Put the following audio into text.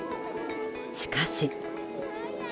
しかし。